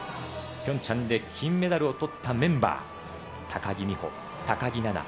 ピョンチャンで金メダルをとったメンバー。